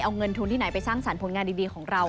เอาเงินทุนที่ไหนไปสร้างสรรค์ผลงานดีของเรา